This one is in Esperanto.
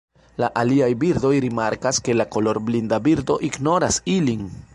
La aliaj birdoj rimarkas ke la kolorblinda birdo ignoras ilin.